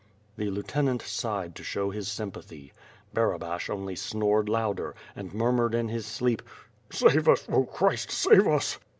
The lieutenant sighed to show his sympathy. Barabash only snored louder, and murmured in his sleep: "Save us, Oh Christ! Save us!"